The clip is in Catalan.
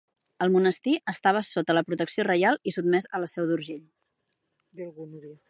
El monestir estava sota la protecció reial, i sotmès a la Seu d'Urgell.